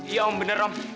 iya om bener om